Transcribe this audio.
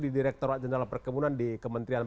di direkturat jenderal perkebunan di kementerian